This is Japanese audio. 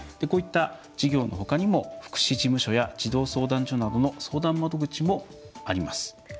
こういった事業のほかにも福祉事務所や児童相談所などの相談窓口もあります。